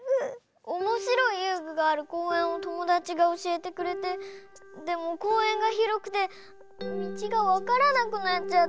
おもしろいゆうぐがあるこうえんをともだちがおしえてくれてでもこうえんがひろくてみちがわからなくなっちゃった。